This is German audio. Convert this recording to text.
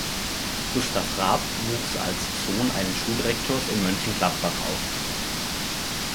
Gustav Raab wuchs als Sohn eines Schulrektors in Mönchengladbach auf.